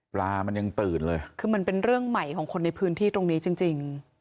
ปลามันยังตื่นเลยคือมันเป็นเรื่องใหม่ของคนในพื้นที่ตรงนี้จริงจริง